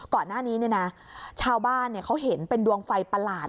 ก่อนหน้านี้เนี่ยนะชาวบ้านเนี่ยเขาเห็นเป็นดวงไฟประหลาด